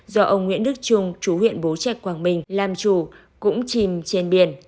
do ông nguyễn đức trung chú huyện bố trạch quảng bình làm chủ cũng chìm trên biển